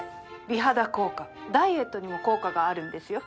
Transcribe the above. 美肌効果ダイエットにも効果があるんですよ。